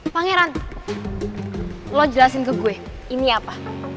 pangeran lo jelasin ke gue ini apa